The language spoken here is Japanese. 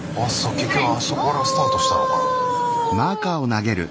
結局あそこからスタートしたのかな？